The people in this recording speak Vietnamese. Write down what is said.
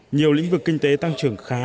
nhiều lĩnh vực kinh tế tăng trưởng khá